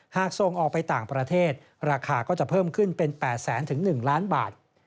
หากส่งออกไปต่างประเทศราคาก็จะเพิ่มขึ้นเป็น๘แสนถึง๑ล้านบาท